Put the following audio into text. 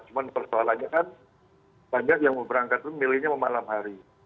cuma persoalannya kan banyak yang mau berangkat itu milihnya mau malam hari